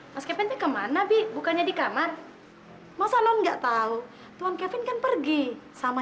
mas kevin kemana bik bukannya di kamar masa non enggak tahu tuhan kevin kan pergi sama